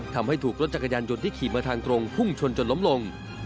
ทำให้ถูกรถจักรยานยนต์ที่ขี่มาทางตรงพุ่งชนจนล้มลง